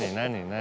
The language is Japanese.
何？